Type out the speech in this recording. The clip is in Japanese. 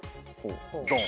ドン。